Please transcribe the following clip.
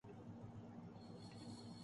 ننھے احمد کا یہ برتا والدین کی غلط تربیت ہے